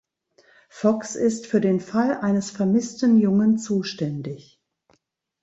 Fox ist für den Fall eines vermissten Jungen zuständig.